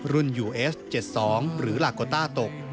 ยูเอส๗๒หรือลาโกต้าตก